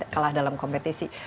kalah dalam kompetisi